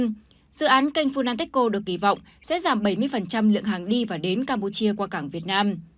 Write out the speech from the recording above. tuy nhiên dự án kênh funantico được kỳ vọng sẽ giảm bảy mươi lượng hàng đi và đến campuchia qua cảng việt nam